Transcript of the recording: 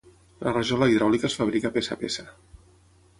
La rajola hidràulica es fabrica peça a peça.